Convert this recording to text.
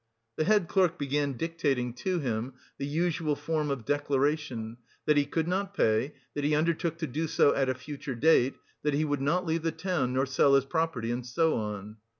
The head clerk began dictating to him the usual form of declaration, that he could not pay, that he undertook to do so at a future date, that he would not leave the town, nor sell his property, and so on.